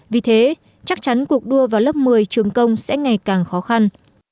vì thế chắc chắn cuộc đua vào lớp một mươi trường công sẽ ngày càng khó khăn